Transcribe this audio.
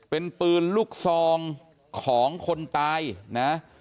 เป็นปืนลูกซองของคนตายนะ